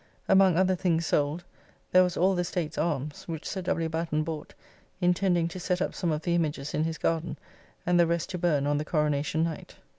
Among other things sold there was all the State's arms, which Sir W. Batten bought; intending to set up some of the images in his garden, and the rest to burn on the Coronacion night.